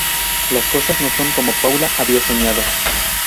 Las cosas no son como Paula había soñado.